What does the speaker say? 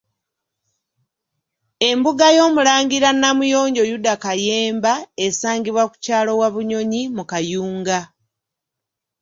Embuga y'Omulangira Namuyonjo Yuda Kayemba esangibwa ku kyalo Wabunyonyi mu Kayunga.